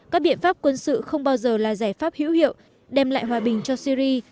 các biện pháp quân sự không bao giờ là giải pháp hữu hiệu đem lại hòa bình cho syri